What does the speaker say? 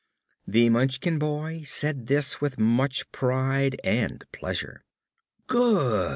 The Munchkin boy said this with much pride and pleasure. "Good!"